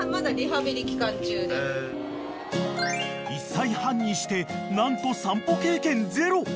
［１歳半にして何と散歩経験ゼロ］